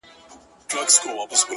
• له توتکیو به وي تشې د سپرلي لمني,